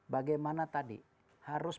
bagaimana tadi harus